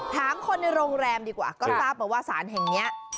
ถามคนในโรงแรมดีกว่าก็ทราบมาว่าสารแห่งนี้